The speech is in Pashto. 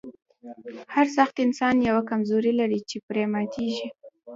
هر سخت انسان یوه کمزوري لري چې پرې ماتیږي